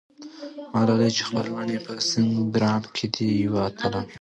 ملالۍ چې خپلوان یې په سینګران کې دي، یوه اتله وه.